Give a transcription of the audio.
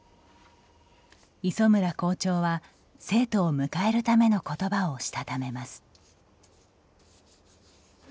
磯村校長は、生徒を迎えるための言葉をしたためます。